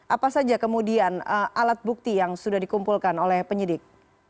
apa saja kemudian alat bukti yang sudah dikumpulkan oleh penyidik